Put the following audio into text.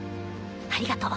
ありがとう。